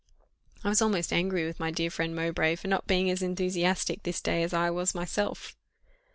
I was almost angry with my dear friend Mowbray, for not being as enthusiastic this day as I was myself.